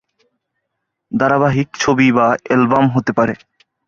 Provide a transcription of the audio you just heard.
ধারাবাহিক ছবি বা অ্যালবাম হতে পারে।